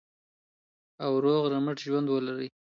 او روغ رمټ ژوند ولرئ.